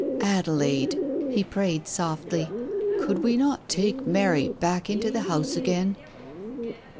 ... "Adelaide," he prayed softly, "could we not take Mary back into the house again